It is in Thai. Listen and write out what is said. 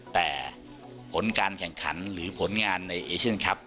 แต่ผลการแข่งขันหรือผลงานในเอเชียนคลับ